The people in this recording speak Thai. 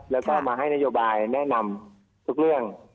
แล้วก็มาให้นโยบายแนะนำทุกเรื่อง